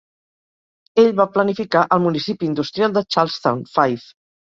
Ell va planificar el municipi industrial de Charlestown, Fife.